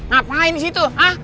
ngapain di situ ha